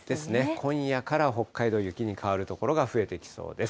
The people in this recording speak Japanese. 今夜から北海道、雪に変わる所が増えてきそうです。